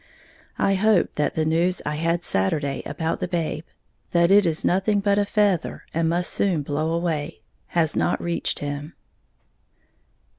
I hope that the news I had Saturday about the babe, that it is nothing but a feather, and must soon blow away has not reached him.